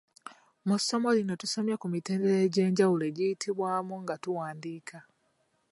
Mu ssomo lino tusomye ku mitendera egy’enjawulo egiyitibwamu nga tuwaandiika.